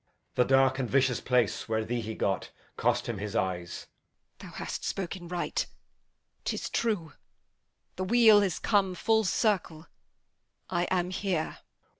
The dark and vicious place where thee he got Cost him his eyes. Edm. Th' hast spoken right; 'tis true. The wheel is come full circle; I am here.